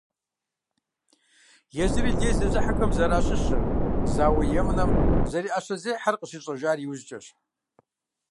Езыри лей зезыхьэхэм зэращыщыр, зауэ емынэм зэриӀэщэзехьэр къыщищӀэжар иужькӏэщ.